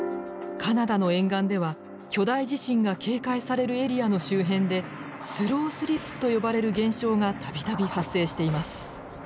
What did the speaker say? カナダの沿岸では巨大地震が警戒されるエリアの周辺でスロースリップと呼ばれる現象が度々発生しています。